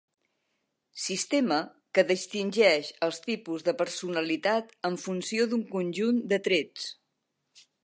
Sistema que distingeix els tipus de personalitat en funció d'un conjunt de trets.